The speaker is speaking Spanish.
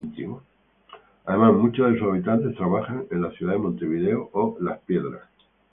Además muchos de sus habitantes trabajan en la ciudad de Montevideo o Las Piedras.